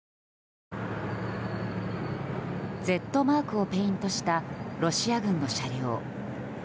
「Ｚ」マークをペイントしたロシア軍の車両。